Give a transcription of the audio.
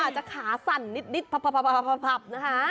จะขาสั่นนิดพับนะคะ